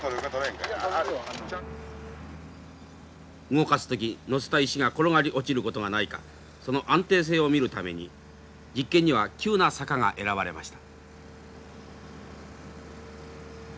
動かす時載せた石が転がり落ちることがないかその安定性を見るために実験には急な坂が選ばれました。